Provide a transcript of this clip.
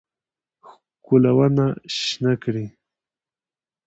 ښکلونه شنه کړي